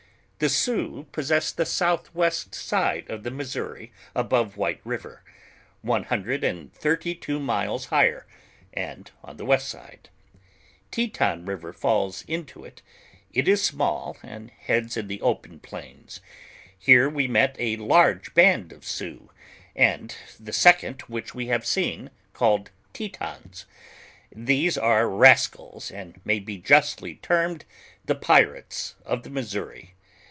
The Sioux possess the south west side of the Missouri above White river, one hundred and thirty two miles higher, and on the west side. Teton river tails into it; it is small, and heads in the open plains; here we met a large band of Sioux, and the second which we had seen, called Tetons; those are ras cals, and may be justly termed the pirates of the Missouri.